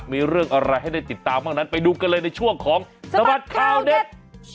มีเรื่องอะไรให้ได้ติดตามบ้างนั้นไปดูกันเลยในช่วงของสบัดข่าวเด็ด